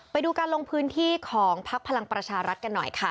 ไปดูการลงพื้นที่ของพพรรัฐกันหน่อยค่ะ